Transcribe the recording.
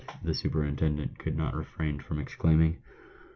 the superintendent could not refrain from exclaiming.